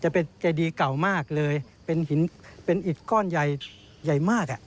เป็นอิตก้อนใหญ่ใหญ่มาก